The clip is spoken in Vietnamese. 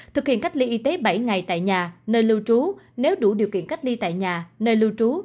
thực hiện cách ly y tế bảy ngày tại nhà nơi lưu trú nếu đủ điều kiện cách ly tại nhà nơi lưu trú